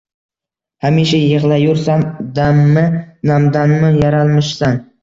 Hamisha yigʻlayursan, dami namdanmi yaralmishsan?